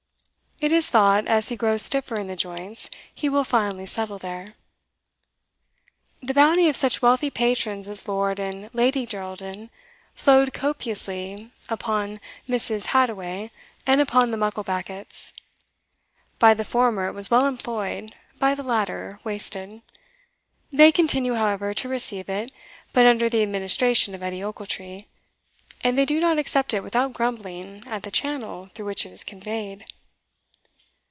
It is thought, as he grows stiffer in the joints, he will finally settle there. The bounty of such wealthy patrons as Lord and Lady Geraldin flowed copiously upon Mrs. Hadoway and upon the Mucklebackits. By the former it was well employed, by the latter wasted. They continue, however, to receive it, but under the administration of Edie Ochiltree; and they do not accept it without grumbling at the channel through which it is conveyed.